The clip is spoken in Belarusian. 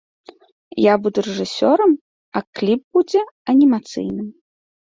Я буду рэжысёрам, а кліп будзе анімацыйным.